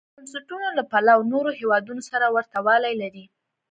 د بنسټونو له پلوه نورو هېوادونو سره ورته والی لري.